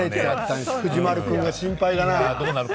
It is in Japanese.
藤丸君が心配だな。